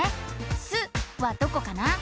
「す」はどこかな？